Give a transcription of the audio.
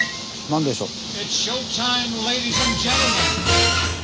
何でしょう。